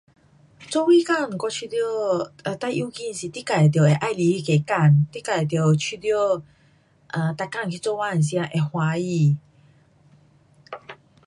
做什工我觉得 um 最要紧你自得会喜欢那个工。你自得觉得 um 每天去做工时间也会欢喜。